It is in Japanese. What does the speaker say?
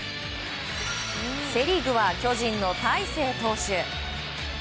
セ・リーグは巨人の大勢投手。